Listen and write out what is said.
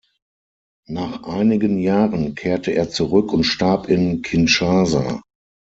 Nach einigen Jahren kehrte er zurück und starb in Kinshasa.